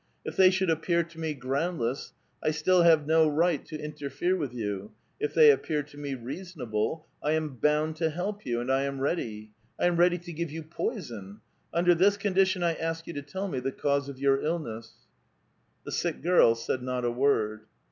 If thej' should appear to me groundless, I still have no right to interfere with you ; if they appear to me reasonable, i am bound to help you, and I am ready. I am ready to give you poison, tjnder this condition I ask you to tell me the cause of your illness." The sick girl said not a word.